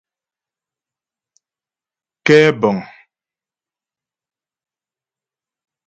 Kɛ́bə̀ŋ.